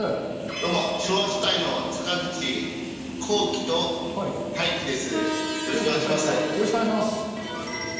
どうも、昭和書体の坂口綱紀と、太樹です。